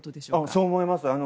そう思います。